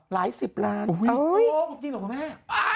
หลายสิบล้านโอ้โฮจริงหรอคุณแม่โอ้โฮจริงหรอคุณแม่